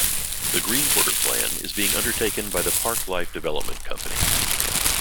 The "Green Quarter Plan" is being undertaken by the Parc life development company.